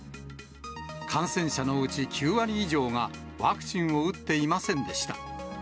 感染者のうち９割以上がワクチンを打っていませんでした。